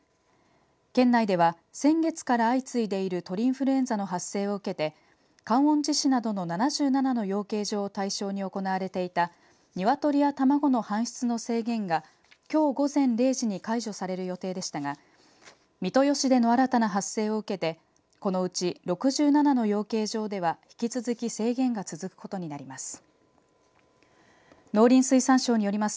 県内では先月から相次いでいる鳥インフルエンザの発生を受けて観音寺市などの７７の養鶏場を対象に行われていた鶏や卵の搬出の制限がきょう午前０時に解除される予定でしたが三豊市での新たな発生を受けてこのうち６７の養鶏場では引き続き制限が続くことになります。